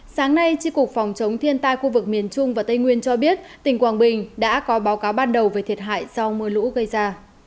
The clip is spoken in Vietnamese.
sáng nay tri cục phòng chống thiên tai khu vực miền trung và tây nguyên cho biết tỉnh quảng bình đã có báo cáo ban đầu về thiệt hại do mưa lũ gây ra